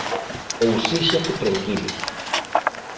Ou sexa que tranquilos.